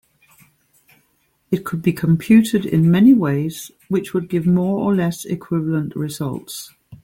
It could be computed in many ways which would give more or less equivalent results.